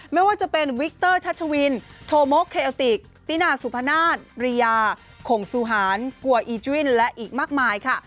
ไม่ว่าจะเป็นวิกเตอร์ชัชวินโทโมคเคเอลติกตินาสุพนาศริยาข่งสุหารกัวอีจวินและอีกมากมายค่ะ